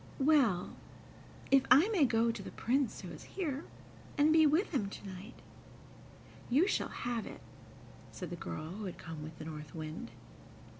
"Well, if I may go to the Prince who is here, and be with him to night, you shall have it," said the girl who had come with the North Wind.